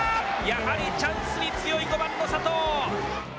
やはりチャンスに強い５番の佐藤。